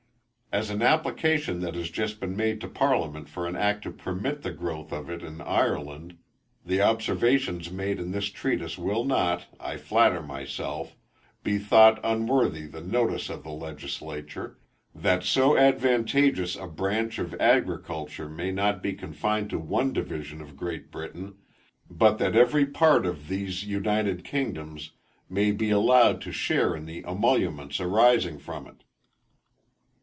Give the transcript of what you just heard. As an application has just been made to parliament for an act to permit the growth of it in Ireland, the observations made in this Treatise will not, I flatter myself, be thought unworthy the notice of the legislature, that so advantageous a branch of agriculture may not be confined to one division of Great Britain, but that every part of these united kingdoms may be allowed to share in the emoluments arising from it.